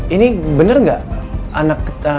ini bener enggak